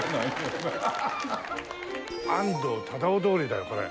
安藤忠雄通りだよこれ。